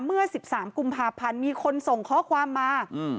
เมื่อ๑๓กุมภาพันธ์มีคนส่งข้อความมา